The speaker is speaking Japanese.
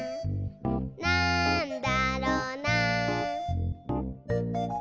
「なんだろな？」